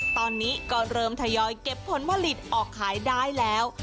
ตอนนี้ก็เริ่มทยอยเก็บผลผลิตออกขายได้แล้ว